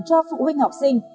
cho phụ huynh học sinh